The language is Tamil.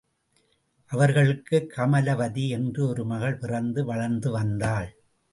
அவர்களுக்கு கமலவதி என்று ஒரு மகள் பிறந்து வளர்ந்து வந்தாள்.